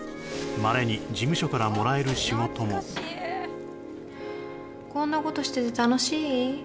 まれに事務所からもらえる仕事もこんなことしてて楽しい？